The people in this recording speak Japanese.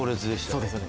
そうですよね。